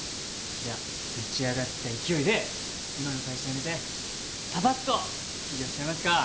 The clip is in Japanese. じゃぶち上がった勢いで今の会社辞めてパパッと起業しちゃいますか！